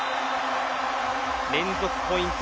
連続ポイント